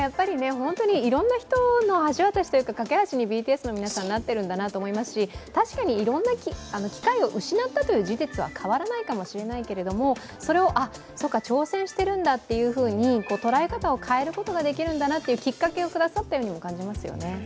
本当にいろいろな人の橋渡しというか、架け橋にＢＴＳの皆さん、なっていると思いますし確かにいろんな機会を失ったという事実は変わらないかもしれないけれども、それを、挑戦してるんだっていうふうに捉え方ができるんだなっていうきっかけをくださったようにも感じますよね。